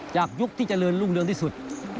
ยุคที่เจริญรุ่งเรืองที่สุด